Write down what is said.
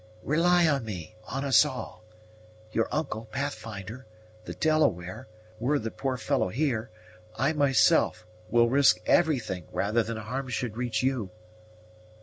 "Rely on me on us all. Your uncle, Pathfinder, the Delaware, were the poor fellow here, I myself, will risk everything rather than harm should reach you."